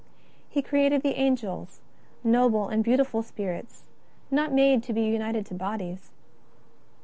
He created the Angels, noble and beautiful spirits, not made to be united to bodies.